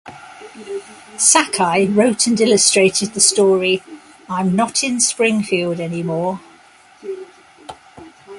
Sakai wrote and illustrated the story I'm Not in Springfield Anymore!